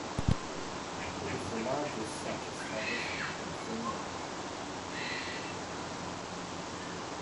It is the largest such establishment in Finland.